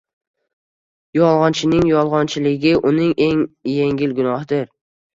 Yolg`onchining yolg`onchiligi uning eng engil gunohidir